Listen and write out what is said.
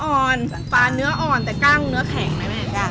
อ่อนปลาเนื้ออ่อนแต่กล้างเนื้อแข็งไหมแม่ย่า